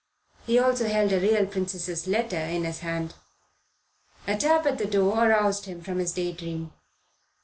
He also held a real princess's letter in his hand. A tap at the door aroused him from his day dream.